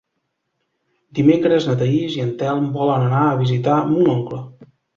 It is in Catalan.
Dimecres na Thaís i en Telm volen anar a visitar mon oncle.